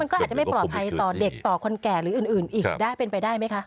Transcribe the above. ก็อาจจะไม่ปลอดภัยต่อเด็กต่อคนแก่หรืออื่นอีกได้เป็นไปได้ไหมคะ